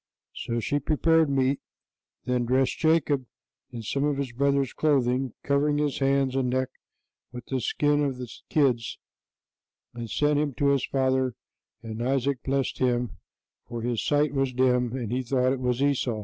So she prepared meat, then dressed Jacob in some of his brother's clothing, covering his hands and neck with the skin of the kids, and sent him to his father; and Isaac blessed him, for his sight was dim, and he thought it was Esau.